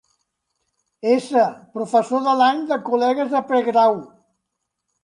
S. Professor de l'any de Colleges de pregrau.